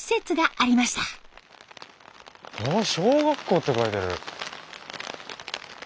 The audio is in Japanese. あ小学校って書いてある。